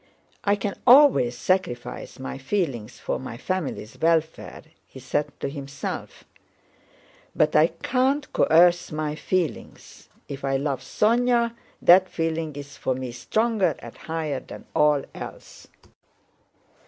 I can always sacrifice my feelings for my family's welfare," he said to himself, "but I can't coerce my feelings. If I love Sónya, that feeling is for me stronger and higher than all else."